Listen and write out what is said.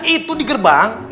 itu di gerbang